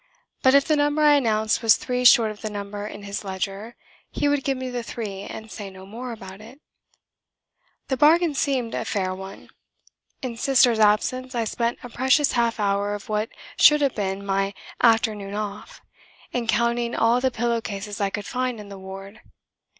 But if the number I announced was three short of the number in his ledger, he would give me the three, and say no more about it. The bargain seemed a fair one. In Sister's absence I spent a precious half hour of what should have been my "afternoon off" in counting all the pillow cases I could find in the ward.